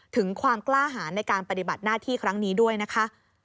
ถึงความกล้าหารในการปฏิบัติหน้าที่ครั้งนี้ด้วยนะคะ